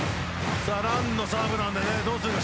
藍のサーブなのでどうするか。